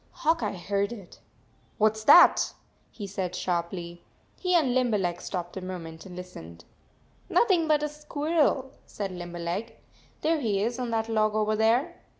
Hawk Eye heard it. " What s that?" he said sharply. He and Limberleg stopped a moment and lis tened. "Nothing but a squirrel," said Limber leg. "There he is on that log over there."